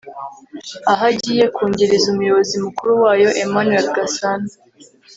aho agiye kungiriza Umuyobozi Mukuru wayo Emmanuel Gasana